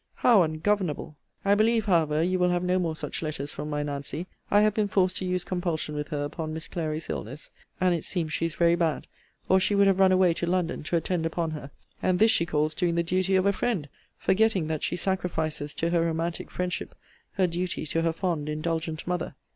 how ungovernable! I believe, however, you will have no more such letters from my Nancy. I have been forced to use compulsion with her upon Miss Clary's illness, [and it seems she is very bad,] or she would have run away to London, to attend upon her: and this she calls doing the duty of a friend; forgetting that she sacrifices to her romantic friendship her duty to her fond indulgent mother.